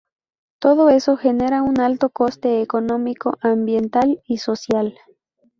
Todo eso genera un alto coste económico, ambiental y social.